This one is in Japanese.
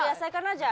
じゃあ。